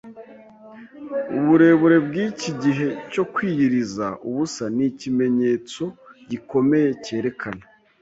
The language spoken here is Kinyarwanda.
Uburebure bw’iki gihe cyo kwiyiriza ubusa ni ikimenyetso gikomeye cyerekana